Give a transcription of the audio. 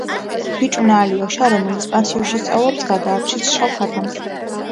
ბიჭუნა ალიოშა, რომელიც პანსიონში სწავლობს, გადაარჩენს შავ ქათამს.